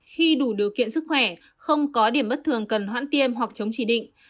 khi đủ điều kiện sức khỏe không có điểm bất thường cần hoãn tiêm hoặc chống chỉ định